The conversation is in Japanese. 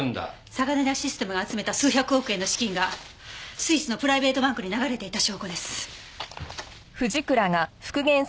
サガネダ・システムが集めた数百億円の資金がスイスのプライベートバンクに流れていた証拠です。